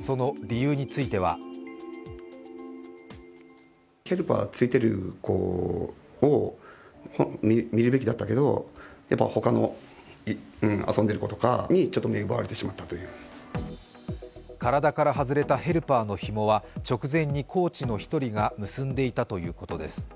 その理由については体から外れたヘルパーのひもは直前にコーチの１人が結んでいたということです。